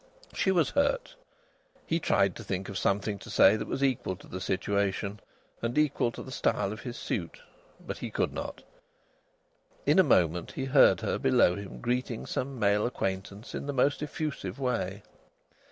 She was hurt. He tried to think of something to say that was equal to the situation, and equal to the style of his suit. But he could not. In a moment he heard her, below him, greeting some male acquaintance in the most effusive way.